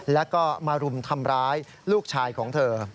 แล้วก็มารุมทำร้ายลูกชายของเธอ